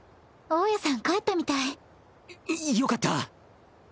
大家さん帰ったみたい。よよかった。